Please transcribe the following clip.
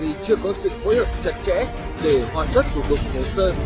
vì chưa có sự phối hợp chặt chẽ để hoàn tất vụ đục hồ sơn